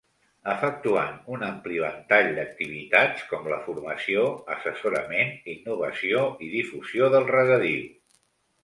Efectuant un ampli ventall d'activitats com la formació, assessorament, innovació i difusió del Regadiu.